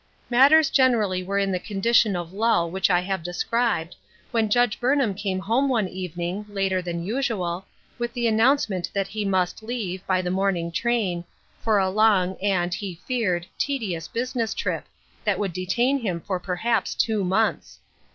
Matters generally were in the condition of lull which I have described, when Judge Burnham came home one evening, later than usual, with the announcement that he must leave, by the morning train, for a long, and, he feared, tedious business trip, that would detain him for perhaps two months.